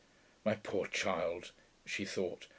'My poor child,' she thought.